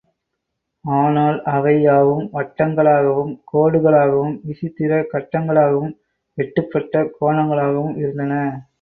ஆனால் அவை யாவும், வட்டங்களாகவும் கோடுகளாகவும் விசித்திர கட்டங்களாகவும் வெட்டுப்பட்ட கோணங்களாகவும் இருந்தன.